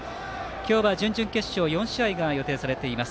今日は準々決勝４試合が予定されています。